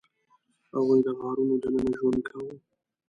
هغوی د غارونو دننه ژوند کاوه.